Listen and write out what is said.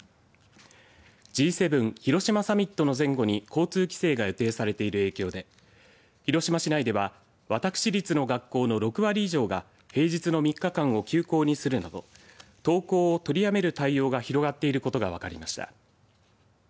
Ｇ７広島サミットの前後に交通規制が予定されている影響で広島市内では私立の学校の６割以上が平日の３日間を休校にするなど登校を取りやめる対応が広がっていることが分かりました。